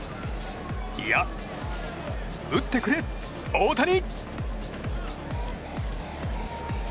いや、打ってくれ大谷。